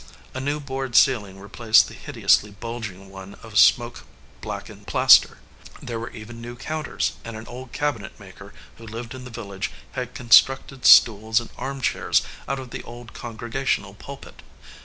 A new board ceiling replaced the hideously bulging one of smoke blackened plaster. There were even new counters, and an old cabinet maker who lived in the village had constructed stools and arm chairs out of the old Congregational pulpit.